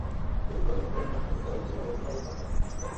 প্রচুর পরিমাণে পানি পান করতে হবে এবং পরিপাকব্যবস্থা স্বাভাবিক রাখতে হবে।